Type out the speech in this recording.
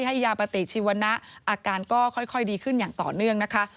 ให้ยาปฏิชีวนะอาการก็ค่อยดีขึ้นอย่างต่อเนื่องนะคะ